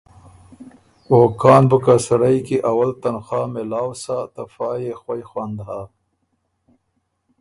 او کان بُو که سړئ کی اول تنخوا مېلاؤ سَۀ ته فا يې خوئ خوند هۀ۔